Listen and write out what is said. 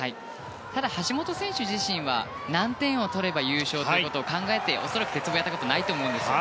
ただ、橋本選手自身は何点を取れば優勝ということを考えて恐らく鉄棒をやったことないと思うんです。